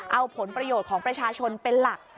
เอาผลประโยชน์ของประชาชนเป็นหลัก